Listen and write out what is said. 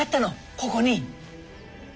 ここに。